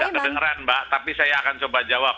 kedengeran mbak tapi saya akan coba jawab